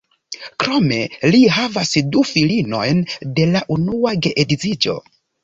Krome li havas du filinojn de la unua geedziĝo.